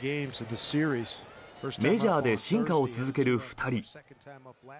メジャーで進化を続ける２人。